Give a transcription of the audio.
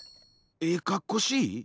ええかっこしい？